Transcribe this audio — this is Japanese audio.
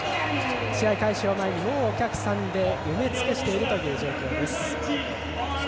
試合開始を前にもうお客さんで埋め尽くしている状況です。